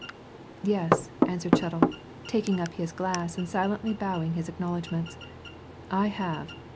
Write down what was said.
"Yes," answered Chettle, taking up his glass and silently bowing his acknowledgments. "I have!